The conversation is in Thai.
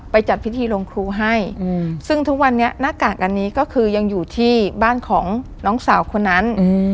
จัดพิธีลงครูให้ซึ่งทุกวันนี้หน้ากากอันนี้ก็คือยังอยู่ที่บ้านของน้องสาวคนนั้น